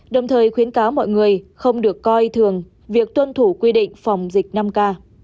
đồng thời khuyến cáo mọi người không được coi thường việc tuân thủ quy định phòng dịch năm k